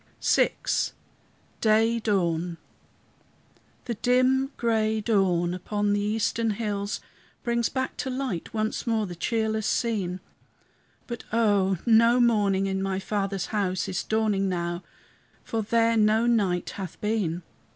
VI DAY DAWN The dim gray dawn, upon the eastern hills, Brings back to light once more the cheerless scene; But oh! no morning in my Father's house Is dawning now, for there no night hath been.